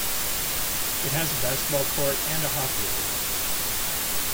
It has a basketball court and hockey arena.